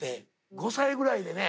５歳ぐらいでね